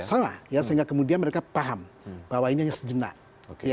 salah ya sehingga kemudian mereka paham bahwa ini hanya sejenak